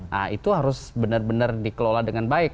nah itu harus benar benar dikelola dengan baik